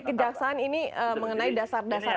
kejaksaan ini mengenai dasar dasar